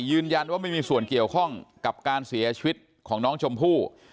ยืนยันว่าไม่มีส่วนเกี่ยวข้องกับการเสียชีวิตของน้องชมพู่